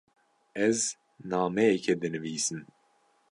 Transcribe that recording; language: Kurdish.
Ez nameyekê dinivîsim.